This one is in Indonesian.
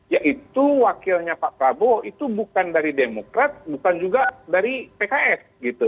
yaitu wakilnya pak prabowo itu bukan dari demokrat bukan juga dari pks gitu